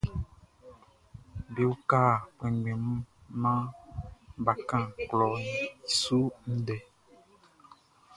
Be uka kpɛnngbɛn mun naan bʼa kan klɔʼn i su ndɛ.